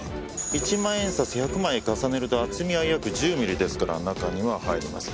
１万円札１００枚重ねると厚みは約１０ミリですから中には入りません。